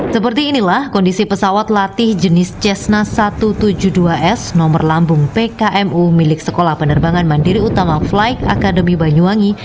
seperti inilah kondisi pesawat latih jenis cessna satu ratus tujuh puluh dua s nomor lambung pkmu milik sekolah penerbangan mandiri utama flight academy banyuwangi